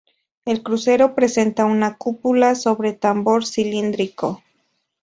El crucero presenta una cúpula sobre tambor cilíndrico.